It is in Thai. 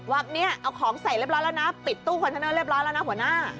ว่าเนี่ยเอาของใส่เรียบร้อยแล้วนะปิดตู้คอนเทนเนอร์เรียบร้อยแล้วนะหัวหน้า